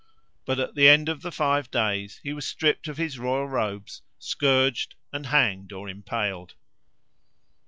But at the end of the five days he was stripped of his royal robes, scourged, and hanged or impaled.